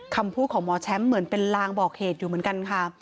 คำพูดของหมอแชมป์เหมือนเป็นลางบอกเหตุอยู่เหมือนกันค่ะ